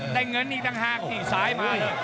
ได้เงินอีกต่างหากนี่สายมาเลย